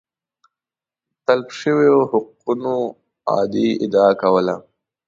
د تلف شویو حقونو اعادې ادعا کوله